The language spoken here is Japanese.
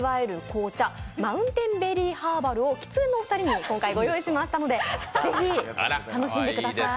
紅茶マウンテンベリーハーバルをきつねのお二人に今回ご用意しましたので、ぜひ楽しんでください。